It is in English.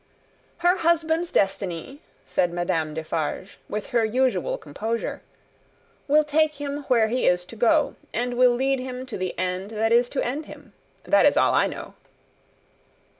"Her husband's destiny," said Madame Defarge, with her usual composure, "will take him where he is to go, and will lead him to the end that is to end him. That is all I know."